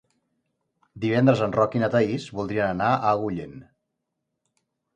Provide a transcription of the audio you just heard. Divendres en Roc i na Thaís voldrien anar a Agullent.